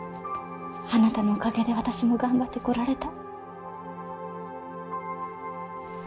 あなたのおかげで私も頑張ってこられた。